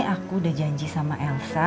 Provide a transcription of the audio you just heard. aku udah janji sama elsa